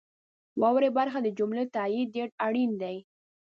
واورئ برخه د جملو تایید ډیر اړین دی.